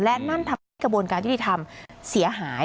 และนั่นทำให้กระบวนการยุติธรรมเสียหาย